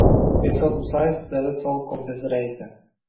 Behzod Musaev, Davlat soliq qo'mitasi raisi: